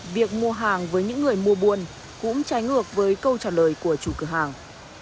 việc mua hàng với những người mua buôn cũng trái ngược với câu trả lời của chủ cửa hàng